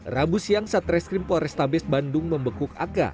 rabu siang saat reskrim porestabes bandung membekuk ak